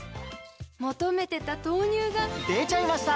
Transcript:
求めてた豆乳がでちゃいました！